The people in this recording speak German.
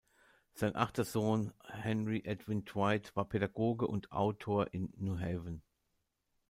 Sein achter Sohn Henry Edwin Dwight war Pädagoge und Autor in New Haven.